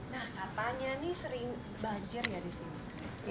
nah katanya ini sering banjir ya di sini